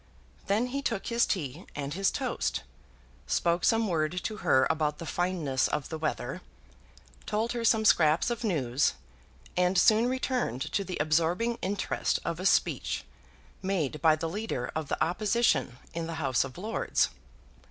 Then he took his tea and his toast, spoke some word to her about the fineness of the weather, told her some scraps of news, and soon returned to the absorbing interest of a speech made by the leader of the Opposition in the House of Lords.